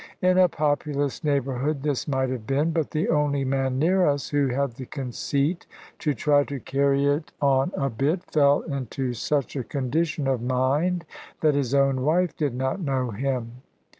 In a populous neighbourhood this might have been; but the only man near us who had the conceit to try to carry it on a bit, fell into such a condition of mind that his own wife did not know him.